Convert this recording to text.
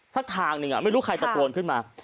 ทางหนึ่งไม่รู้ใครตะโกนขึ้นมา